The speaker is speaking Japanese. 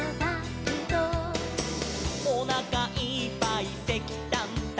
「」「おなかいっぱいせきたんたべて」